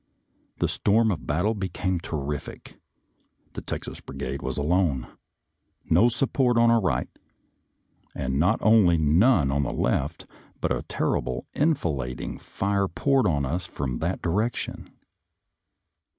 The storm of battle became terrific. The Texas Brigade was alone; no support on our right, and not only none on the left, but a terrible enfilading fire poured on us from that direction.